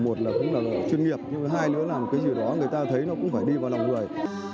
một là cũng là chuyên nghiệp hai nữa là cái gì đó người ta thấy nó cũng phải đi vào lòng người